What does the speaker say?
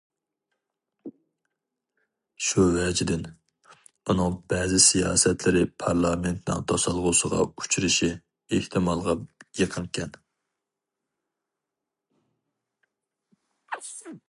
شۇ ۋەجىدىن، ئۇنىڭ بەزى سىياسەتلىرى پارلامېنتنىڭ توسالغۇسىغا ئۇچرىشى ئېھتىمالغا يېقىنكەن.